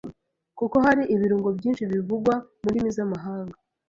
kuko hari ibirungo byinshi bivugwa mu ndimi z’amahanga